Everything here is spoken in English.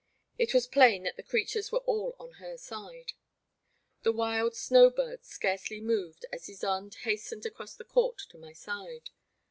It was plain that the creatures were all on her side. The wild snow birds scarcely moved as Ysonde hastened across the court to my side.